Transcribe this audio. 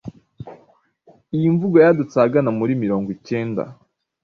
Iyi mvugo yadutse ahagana muri mirongwicyenda